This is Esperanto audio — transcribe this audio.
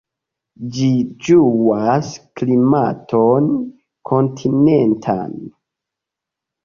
Ĝi ĝuas klimaton kontinentan.